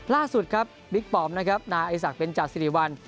ล่าสุดครับบิ๊กปอมนะครับนาไอสักเป็นจัดสิริวัล